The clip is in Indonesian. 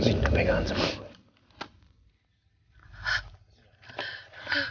sini pegangan sama gue